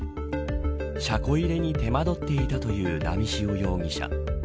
車庫入れに手間取っていたという波汐容疑者。